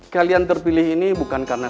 kalian terpilih ini bukan karena